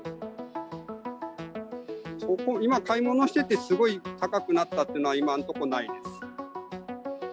今、買い物してて、すごい高くなったっていうのは今のところないです。